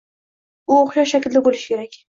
U o’xshash shaklda bo’lishi kerak.